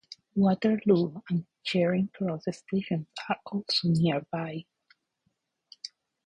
Waterloo and Charing Cross stations are also nearby.